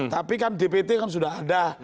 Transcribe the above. tapi kan dpt kan sudah ada